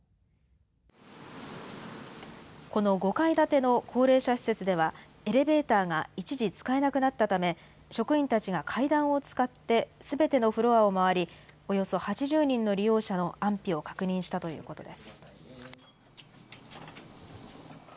この５階建ての高齢者施設では、エレベーターが一時使えなくなったため、職員たちが階段を使ってすべてのフロアを回り、およそ８０人の利用者の安否を確認したということです。